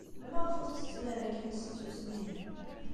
Maɣef ur tettettem ara kan s tsusmi?